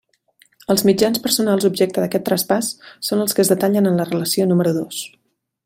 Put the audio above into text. Els mitjans personals objecte d'aquest traspàs són els que es detallen en la relació número dos.